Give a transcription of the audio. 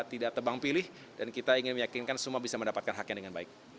tidak tebang pilih dan kita ingin meyakinkan semua bisa mendapatkan haknya dengan baik